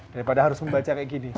daripada harus membaca kayak gini